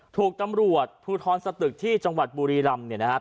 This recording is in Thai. ถูกตำรวจภูทรสตึกที่จังหวัดบุรีรำเนี่ยนะครับ